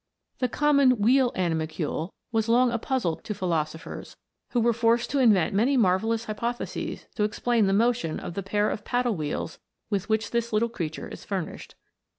The common wheel animalcule was long a puzzle to philosophers, who were forced to invent many marvellous hypotheses to explain the motion of the pair of paddle wheels with which this little creature is furnished.